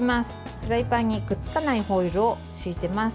フライパンにくっつかないホイルを敷いています。